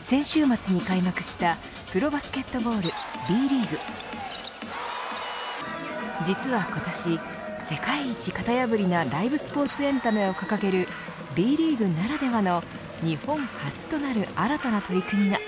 先週末に開幕したプロバスケットボール、Ｂリーグ実は今年世界一型破りなライブスポーツエンタメを掲げるＢリーグならではの日本初となる新たな取り組みが。